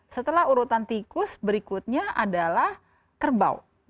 setelah urutan tikus berikutnya adalah kerbau